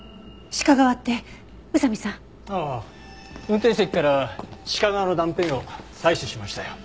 運転席から鹿革の断片を採取しましたよ。